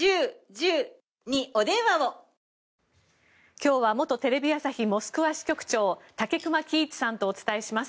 今日は元テレビ朝日モスクワ支局長武隈喜一さんとお伝えします。